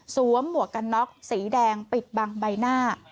หมวกกันน็อกสีแดงปิดบังใบหน้า